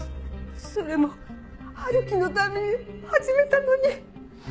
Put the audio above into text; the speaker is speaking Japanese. それも春樹のために始めたのに。